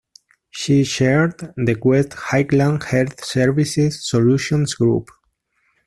She chaired the West Highland Health Services Solutions Group.